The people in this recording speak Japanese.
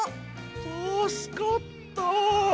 たすかった！